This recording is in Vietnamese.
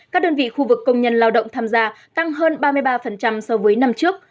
các đơn vị khu vực công nhân lao động tham gia tăng hơn ba mươi ba so với năm trước